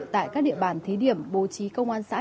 tại các địa bàn thí điểm bố trí công an xã